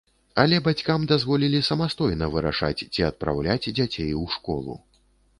Але бацькам дазволілі самастойна вырашаць, ці адпраўляць дзяцей у школу.